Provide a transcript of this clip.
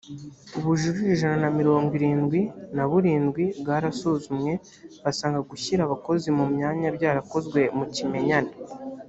ubujurire ijana na mirongo irindwi na burindwi bwarasuzumwe basanga gushyira abakozi mu myanya byarakozwe mu kimenyane